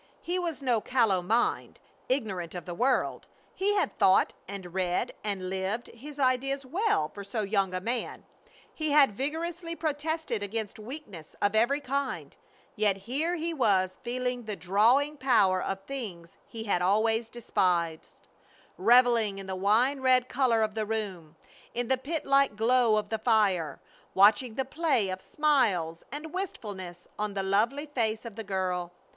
His was no callow mind, ignorant of the world. He had thought and read and lived his ideas well for so young a man. He had vigorously protested against weakness of every kind; yet here he was feeling the drawing power of things he had always despised; reveling in the wine red color of the room, in the pit like glow of the fire; watching the play of smiles and wistfulness on the lovely face of the girl.